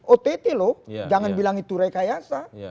ott loh jangan bilang itu rekayasa